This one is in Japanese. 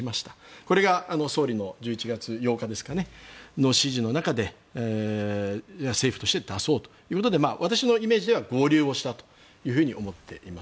これが総理の１１月８日の指示の中で政府として出そうということで私のイメージでは合流をしたと思っています。